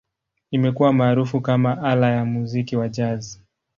Imekuwa maarufu kama ala ya muziki wa Jazz.